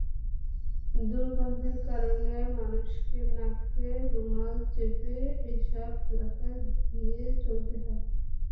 দুর্গন্ধের কারণে মানুষকে নাকে রুমাল চেপে এসব এলাকা দিয়ে চলতে হয়।